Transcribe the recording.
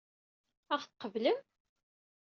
Ad ɣ-tqeblem?